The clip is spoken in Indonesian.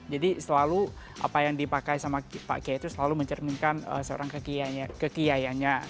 jadi selalu apa yang dipakai sama pak kiai itu selalu mencerminkan seorang kekiayanya